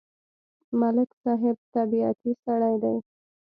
ملک صاحب طبیعتی سړی دی.